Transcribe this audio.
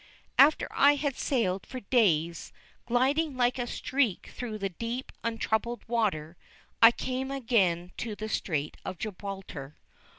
After I had sailed for days, gliding like a streak through the deep, untroubled water, I came again to the Strait of Gibraltar.